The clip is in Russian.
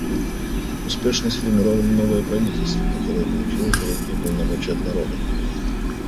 Успешно сформировано новое правительство, которое получило широкие полномочия от народа.